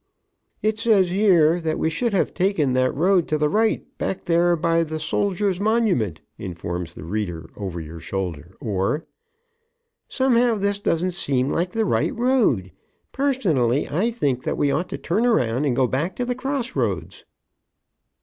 "It says here that we should have taken that road to the right back there by the Soldiers' Monument," informs the reader over your shoulder. Or "Somehow this doesn't seem like the right road. Personally, I think that we ought to turn around and go back to the cross roads."